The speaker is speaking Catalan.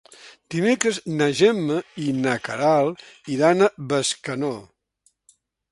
Dimecres na Gemma i na Queralt iran a Bescanó.